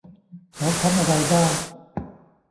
เขาทำอะไรได้